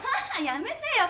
やめてよ。